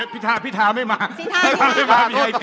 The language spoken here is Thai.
พี่ทาพิธาไม่มา